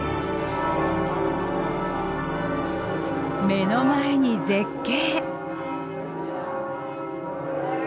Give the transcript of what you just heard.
目の前に絶景。